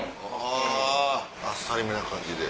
あぁあっさりめな感じで。